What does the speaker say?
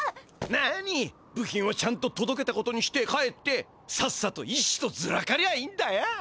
なに部品はちゃんととどけたことにして帰ってさっさとイシシとずらかりゃいいんだよ。